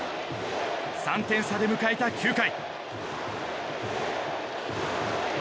３点差で迎えた９回。